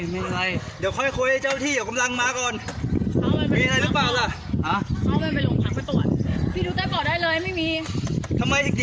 ถ้าดีให้จอดแต่แรกทำไมไม่จอด